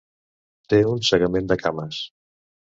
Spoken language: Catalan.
Té un segament de cames.